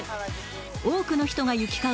多くの人が行き交う